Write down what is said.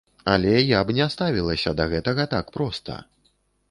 Але я б не ставілася да гэтага так проста.